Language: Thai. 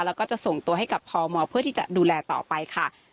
แล้วก็จะส่งตัวให้กับพมเพื่อที่จะดูแลต่อไปค่ะ